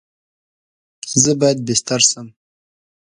زه باید بیستر سم؟